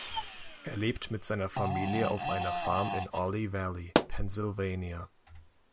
Er lebt mit seiner Familie auf einer Farm in Oley Valley, Pennsylvania.